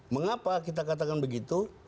mengapa kita katakan begitu